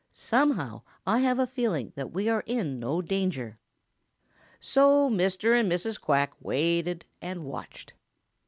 Somehow I have a feeling that we are in no danger." So Mr. and Mrs. Quack waited and watched.